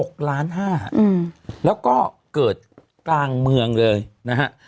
๖๕๐๐๐๐๐บาทแล้วก็เกิดกลางเมืองเลยนะฮะ